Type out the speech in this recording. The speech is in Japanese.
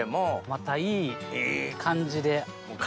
またいい感じで。